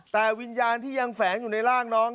แต่วิญญาณที่ยังแฝงอยู่ในร่างน้อง